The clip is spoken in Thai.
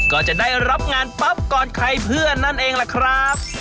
ก็จะได้รับงานปั๊บก่อนใครเพื่อนนั่นเองล่ะครับ